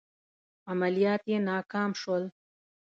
عملیات یې ناکام شول.